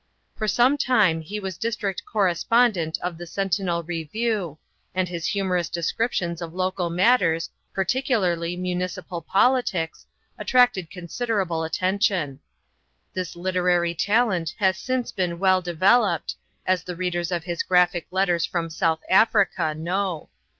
For some time he was district correspondent of the Sentinel Review, and his humorous descriptions of local matters, particularly municipal politics, attracted considerable attention. This literary talent has since been well developed, as the readers of his graphic letters from South Africa know.